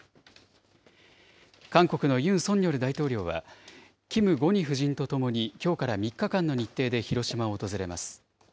韓国のユン・ソンニョル大統領は、キム・ゴニ夫人とともにきょうから３日間の日程で広島を訪れます。